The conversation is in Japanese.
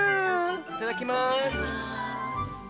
いただきます。